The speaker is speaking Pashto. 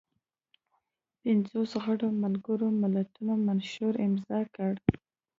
پنځوس غړو ملګرو ملتونو منشور امضا کړ.